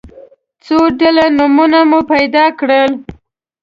څو ډوله نومونه مو پیدا کړل.